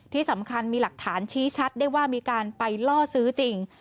ที่สำคัญมีหลักฐานชี้ชัดได้ว่ามีการไปล่อซื้อจริง